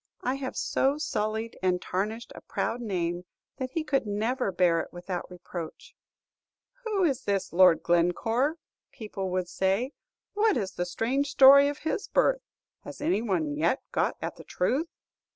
I have so sullied and tarnished a proud name that he could never bear it without reproach. 'Who is this Lord Glencore?' people would say. 'What is the strange story of his birth? Has any one yet got at the truth?